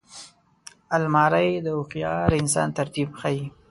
الماري د هوښیار انسان ترتیب ښيي